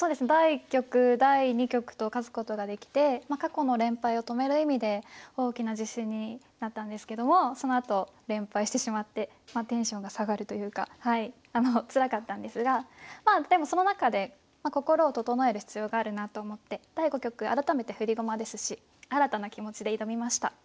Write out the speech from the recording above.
第１局第２局と勝つことができて過去の連敗を止める意味で大きな自信になったんですけどもそのあと連敗してしまってテンションが下がるというかつらかったんですがまあでもその中で心を整える必要があるなと思って第５局改めて振り駒ですし新たな気持ちで挑みました。